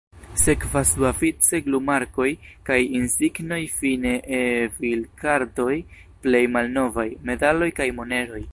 Sekvas duavice glumarkoj kaj insignoj, fine E-bildkartoj plej malnovaj, medaloj kaj moneroj.